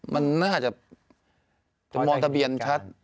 มันน่าจะผมมองทะเบียนชัด